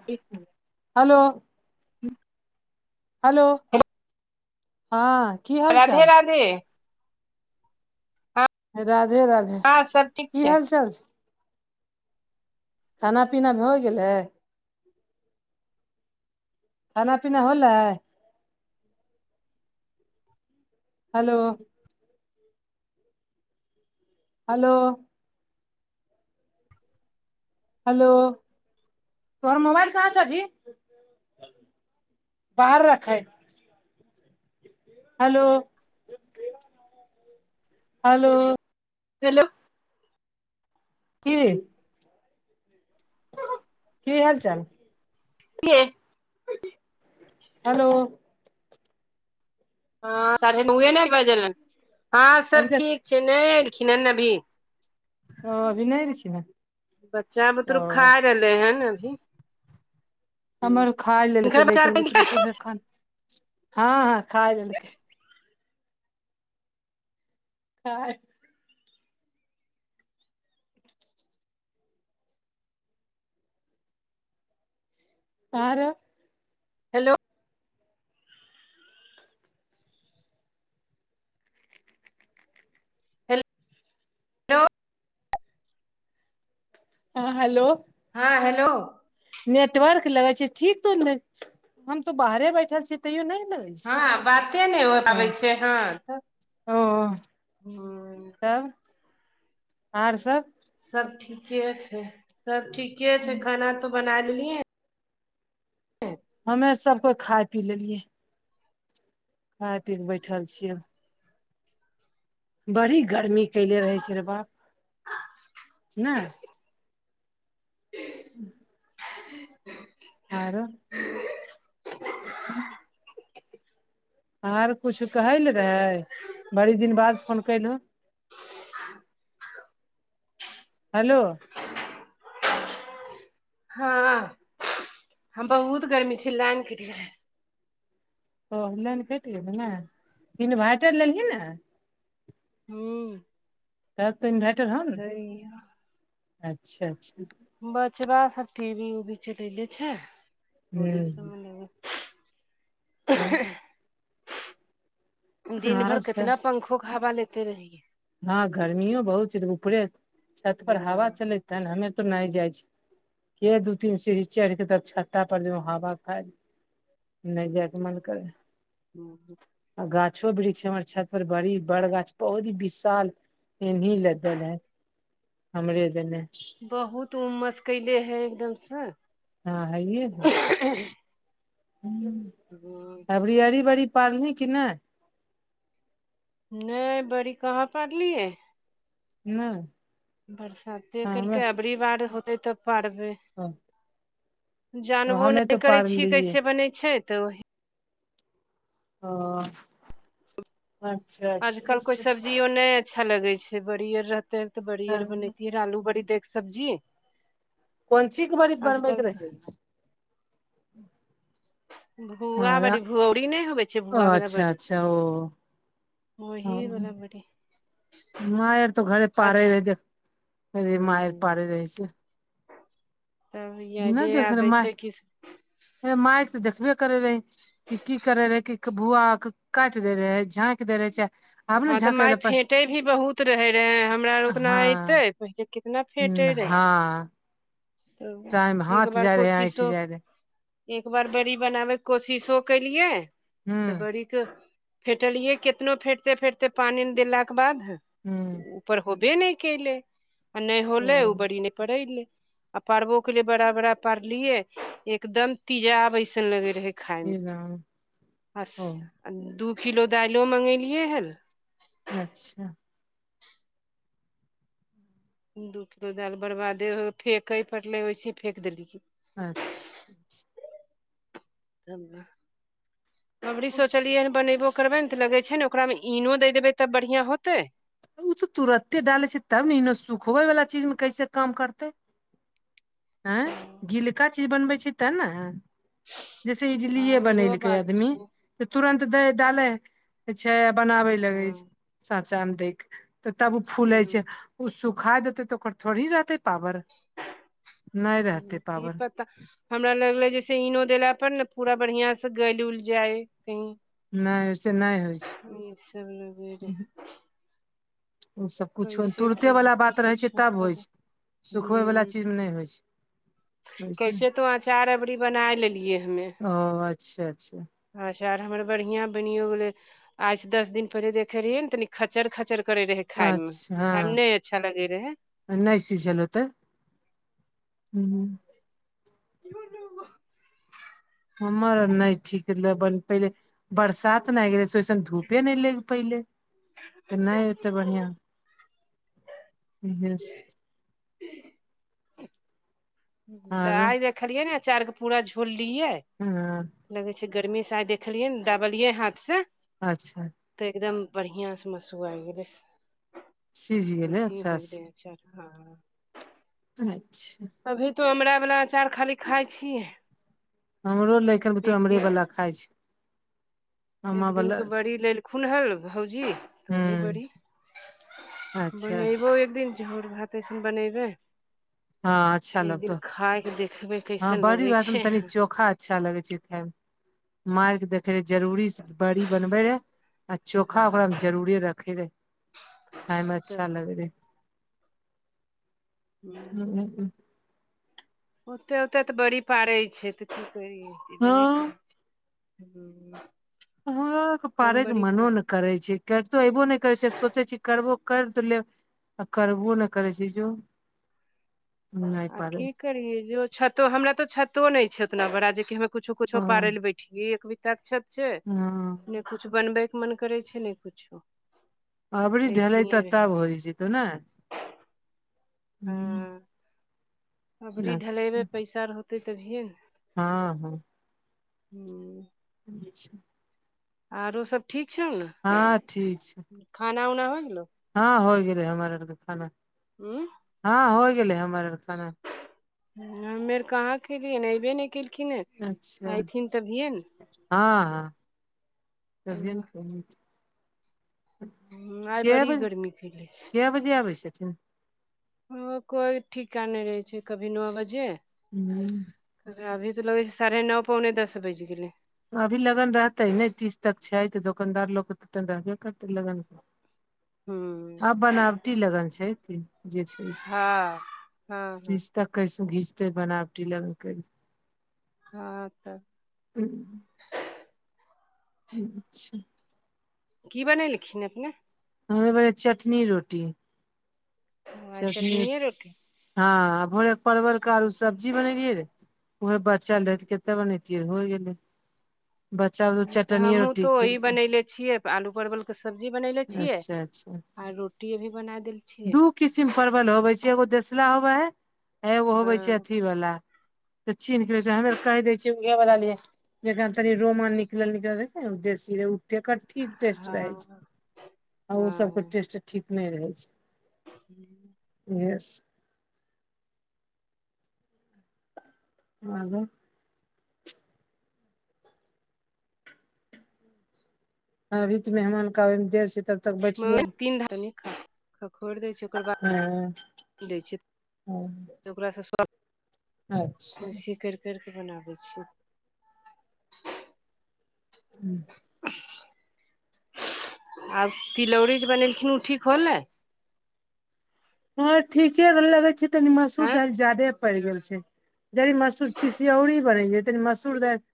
[unintelligible] Hello minute hello हाँ राधे राधे राधे राधे आर सब ठीक छै [unintelligible] खाना पीना भऽ गेलै खाना पीना होलै हेलो हेलो हेलो तोर मोबाइल कहा छ जी बाहर रखै हेलो हेलो हेलो की की हाल चाल किए हेलो हाँ साढ़े नौ ए ने बजलन हाँ अभी सब तक ठीक छै नय एलखिन हन अभी ओ अभी नहि एलखिन हँ बच्चा बुदरुक खा ओ रहलै हन अभी हमर खा लेलकै हिनकर लेकिन बच्चा बुतरु सब ऐखन हाँ खाय लेलकै हाँ कहा आ रहो हो हेलो हेल हेलो हाँ हेलो हाँ हेलो नेटवर्क लगे छै ठीक तो ने हम तो बाहरे बैठल छी तैयो नऽ लगे हाँ बाते नय होय पाबै छै ह ओ तब आर सब सब ठीके छै सब ठीके छै खाना तो बना लेलियै हमे सब कोए खाय पी लेलियै खाय पी कऽ बैठल छियै बड़ी गर्मी कैले रहै छै रे बाप नय आरो ह आर कुछ कहैल रहे बड़ी दिन बाद फोन केलहो हेलो हाँ हम बहुत गर्मी छै लाइन कटि गेलए ओ लेन कट गेले नै इनभेयटर लेलहिन हैं हूँ तब तऽ इन्भर्टर हउ न ह अच्छा अच्छा बचबा सब टी वी उवी चलले छै ओहे सब ले हूँ ऐह दिन आर भर केतना पंखोे हवा लेते रहिये हाँ गर्मियो बहुत छै उपरे छत पर हवा हँ चलेतै हमे और तऽ जाइ छियै केे दू तीन सीढ़ी चइढ़ के तब छत्ता पर जेबा हवा खाए ले नै जय केऽ मन करै ह [unintelligible] आ गाछो वृक्ष हमर छत पर बड़ी बड़ गाछ बहुत ही विशाल एहनी लदल है हमरे दने बहुत उमस कइले हय एकदम स हँ हइए हय हू तो [inaudible] अबरी अरी बरी पारली कि नइ नय बड़ी कहाँ पाड़लियै नय बरसाते करिके अबरी बार होते तब पाड़बे हह जानबो नय करै छीय पारलियै कैसे बनै छै तऽ ओही ओ हऽ अच्छा आजकल कोई सब्जियो नय अच्छा लगय छै बड़ी ओर रहते तऽ बड़ी ओर हँ बनेतीयेै आलू बड़ी देग सब्जी कोन ची क बरी बनबैत आजकल रही भुआ ह बड़ी भुऔरी नहि होबै छै ओ भुआ बला अच्छा बड़ी अच्छा ओ ओही बला बड़ी माय यर तऽ घर पार अच्छा रहै देख माये हँ पाड़े रहै तब नय यादे देख रहे आबै छै कि माय मायक तऽ देखबे करै रहे कि की करे रहै कि भूआके काइट देै रहै झाँकि देै रहै चा हँ तऽ माय फेँटै भी बहुत रहे रहए हमरा आर ओतना अयतै हँ पहिले कितना फेँटै रहै हँ टाइम तब एक हाथ बार जाय रहे ऐंठि कोशिशो जाय रहे एक बार बड़ी बनाबे के कोशिशो केलियै तऽ हूँ बड़ी फेटलियै कितनो फेटते फेटते पानि देलाके बाद हूँ ऊपर होबे नय कयलै आ नहि होलै ओ बड़ी नय पड़ैयलै आ पारबो केलिए बड़ा बड़ा पारलियइ एकदम तिजा वैसन लगे रहे ई खायमे राम बस ओ दू किलो दाइलो मंगेलियै हन अच्छा दू किलो दाइल बरबादे हो फेकय पड़लै वैसे फेक देलीयइ अच्छा अबरी सोचलियै हन बनेबो करबै ने तऽ लगे छै ने ओकरामे ईनो दे देबै तब बढ़ियां होतै ओ तऽ तुरते डालै छै तब ने ए सुखबै वला चीज में कैसे काम करतै आँ गीलका चीज बनबै छै ते ने जैसे हँ इटलिए इहो बनेलकै बात अखने छै तऽ तुरन्त दै डालै छै आ बनाबे लगे हँ छै साचा मे दे तऽ तब ओ फूलै छै हूँ ओ सुखा देतै तऽ ओकर थोड़ी रहतै पावड़ की पता हमरा लगले जैसे इनो देला पर न पूरा बढ़ियां से गलि उल जाय [unintelligible] नहि से नहि होइ छै [unintelligible] ओ सब कुछो कैसे की तुरते वाला हेतै बात रहै छै कुछो तब होइ छै सुखबयवला ह चीज नहि होइ छै वैसे कैसे तो अचार अबरी बनाय लेलियै हमे ओ अच्छा अच्छा आचार हमर बढ़िआँ बनिओ गेलै आज दस दिन पहिले देखे रहियै ने तनी खचर खचर करे रहे खाय मे अच्छा खाय मे नहि अच्छा लगे रहै नहि सीझल होतइ [unintelligible] हमर नहि ठीक ल पहिले बरसात ने आ गेले से ओसन धूपे नहि ले पहिले त नहि एते बढ़िया इस तऽ आरो आइ देखलियै ने अचार के पूरा छोड़लियै हं लगै छै गर्मी से आइ देखलियै ने दाबलियै हाथ से अच्छा तऽ एकदम बढ़िआं से मसु आइ गेलै सिझ गेलै वसी अच्छा होइ गेलै हँ [unintelligible] अभी तो अमरा बाला अचार खाली खाय छियै हमरो लैका [unintelligible] एक अमरे दिन वाला खाइ छै एक अम्मा वाला दिनके बड़ी लेलखुन हँ भौजी तऽ वही हूँ बड़ी अच्छा अच्छा बनेबो एक दिन झोर भात अऐसन बनेबै हँ अच्छा लगतौ खायके देखबै हँ कैसन बड़ी लगै भात मे छै तनि चोखा अच्छा लगे छै खायमे मार के देखे रहे जरूरी बड़ी बनबे रहे आ चोखा ओकरा हँ मे जरूरे रखे रहे खायमे अच्छा तऽ लगे हय हू ओते ओते तऽ बड़ी पारै छै तऽ की करियबे नहि करै हँ छै ह प पारेके मनो ने करै छै करतो अऐबो नहि करै छै सोचै छी करबो कर त लेब आ करबो ने करै छै जो नइपर करिये जो छतो हमरा तो छतो नहि छै उतना बड़ा जेकि ह कुछो ओ कुछो पारे ले बैठियए एकभी तक्षत छै हँ ने कुछु बनबैके मन करै छै ने कुछो अबरी ढेलाइ ऐसिये तऽ रहै तब होइ छै त ने हँ अबरी ढलेबै अच्छा पैसा रहते तभिए ने हँ हँ हूँ छा [inaudible] आरो सब ठीक छौ न हँ ठीक छै खाना उना हो ई गेलौ हँ होई गेलै हमर आरके खाना उँ हँ हो गेलै हमार आर खाना हमे आर कहाँ खेलियै हन एबै नै कयलै अच्छा हँहँ त ने [unintelligible] हूँ आइ कए बड़ी बजे गर्मी कैले छै कए बजे आबै छथिन ओ कोइ ठीकानै रहै छै कभी न बजे हू अभी तऽ लगै छै साढ़े नौ पौने दस बाजि गेलै अभी लगन रहतै नै तीस तक छै तऽ दोकनदार लोगके तऽ तन रहबे करतै लगन हूँ आ बनावटी लगन छै ती जे छै से हँ हँ हँ तीस तक कैसो घीचते बनावटी लग खाक हू [unintelligible] अच्छा कि बने लखिन अपने हमएबै चटनी रोटी ओ, आइ छ ठीक चटनिये रोटी हँ आ भ [unintelligible] परवल के आरु सब्जी बनेलियै रै उहे बचल रहे तऽ कते बनतियै त होय गेले ह तऽ हमहूँ तऽ ओही खेलकै बनयलै छियै आलू परवलके सब्जी बनयलै छियै अच्छा अच्छा आर रोटी अभी बना देल छियै दू किसिम परवल होबै छै एगो देसला होबा है एगो होबै छै हँ अथीवला तऽ चीन्ह क ले हमेर कहि दै छियै उहे वला लिए जक तनि रोमन निकलल निकल रहै ने उदेसी जेकर ठीक टेस्ट रहै छै हँ आ ओ सब के हँ टेस्ट ठीक नय रहै छै ह [unintelligible] एस आ [unintelligible] अभीत मेहमानके आबैमे देर छै तऽ म तीन धार्मिक खखोरि दै छै ओकर हँ बादै छै ओकरासँ अच्छा खुशी करि कर के बनाबै छीयै हूँ आब तिलौरी जे बनेलखिन ओ ठीक होलै हँ ठीके भ लगै छै तनी मसूर आँय दालि ज्यदे पड़ि गेल छै जदि मसूर तसियौरी बनै छतनी मसूर तऽ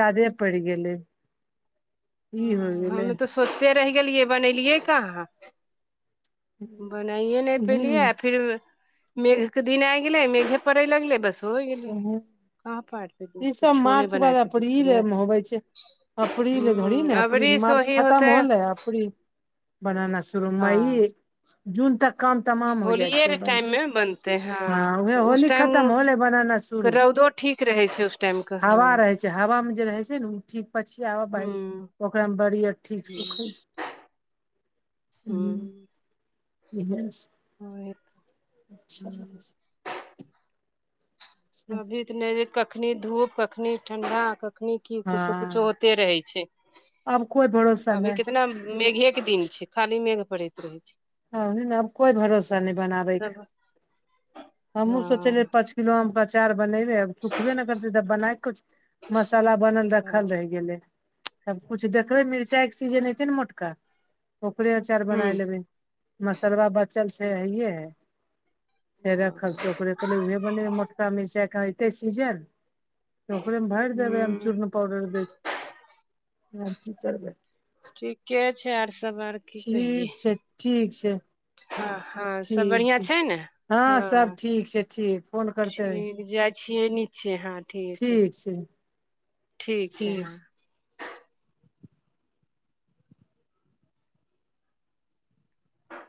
ज्यदे पड़ गेलै ई होइ ह गेलै हमे तऽ सोचते रहि गेलियै बनेलियै कहाँ बनाइए नहि पेलियै आ फिर मेघ के दिन आ गेलै मेघे पड़ै लगलै बस हो होइ गेली कहाँपड़ ई सब मार्च बाल अप्रील होवे छै अपरी ल घरी हूँ ने अपरील अबरी से मारच ओही खतम होतै होलै अपरील बना नसुर हँ मइ जून तक काम तमाम हो जाइ होलिये छै, रे टाइम मे बनतै हँ उह उस होली टाइम खतम होलै बनना के शुरू। रौदो ठीक रहै छै सभ हवा रहै छै, हवामे जे रहै छै ने ओ ठीक पछिव हूँ ओकरा मे बड़ीयर ठीक सुखै छै। हँ। ब आओर। अच्छा। छै अभी तऽ नहि कखनी धूप कखनी ठण्डा कखनी। कि कुछो कुछो हँ होते रहे छै, आब कोइ भरोसा अभी नहि कितना मेघेके दिन खाली मेघ पड़ैत रहत छै। ह, नेब कोई भरोसा नहि बनाबै के तब हमहु हँ सोचलियै पिलोम के अचार बनेबै आ सुखबे नहि करतै तब बनाइ खो। मसला बनल रखल रहि हूँ गेले सभ कुछु देखबै मिरचाई के सीजन एयते ने मोटका ओकरे अचार बनाय लेबै। मसरवा बचल छै, हे रखल छै ओकरे। उहे बने मोटका मिरचाई के एते सीजल तऽ ओकरे मे भरि देबे चू डर ह कि करबै ठीके छै, आर सभ आर की कहियै ठीक छै, ठीक छै। हँ, हँ सभ बढ़िआँ छै ने हँ सभ ठीक छै ठीक फोन करते छै नचे हँ ठीक, ठीक छै हँ